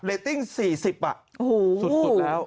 เรตติ้ง๔๐อ่ะสุดแล้ว